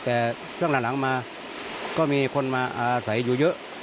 แต่ช่วงหลังมาก็มีคนมาอาศัยอยู่เยอะ